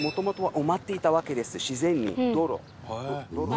埋まっていたわけです。